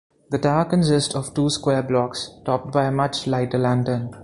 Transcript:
The tower consists of two square blocks, topped by a much lighter lantern.